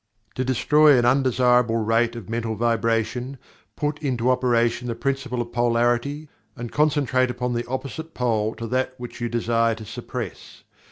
"To destroy an undesirable rate of mental vibration, put into operation the principle of Polarity and concentrate upon the opposite pole to that which you desire to suppress.